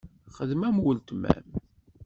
Xdem am uletma-m.